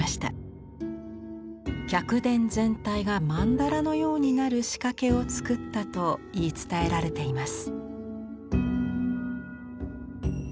客殿全体が曼荼羅のようになる仕掛けをつくったと言い伝えられています。